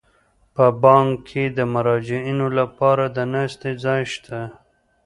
په بانک کې د مراجعینو لپاره د ناستې ځای شته.